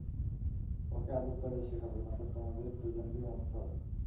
ওকে আদবকায়দা শেখাবে, নয়ত তোমাদের দুজনকেই মরতে হবে।